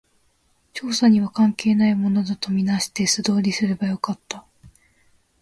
調査には関係ないものだと見なして、素通りすればよかった